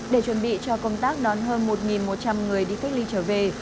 để chuẩn bị cho công tác đón hơn một một trăm linh người đi cách ly trở về